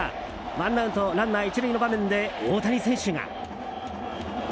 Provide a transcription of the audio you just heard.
ワンアウトランナー１塁の場面で大谷選手が。